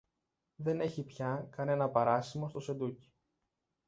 Δεν έχει πια κανένα παράσημο στο σεντούκι